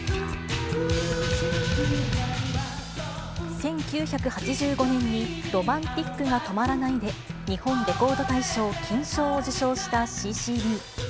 １９８５年にＲｏｍａｎｔｉｃが止まらないで日本レコード大賞金賞を受賞したＣーＣーＢ。